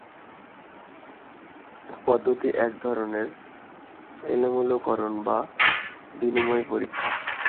পদ্ধতিটি এক ধরনের এলোমেলোকরণ বা বিনিময় পরীক্ষা।